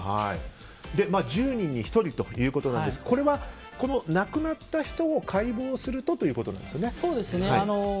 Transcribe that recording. １０人に１人ということですがこれは亡くなった人を解剖するとということなんですよね？